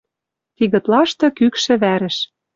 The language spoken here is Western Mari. Тигытлашты кӱкшӹ вӓрӹш